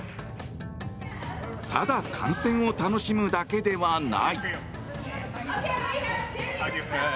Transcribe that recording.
ただ観戦を楽しむだけではない。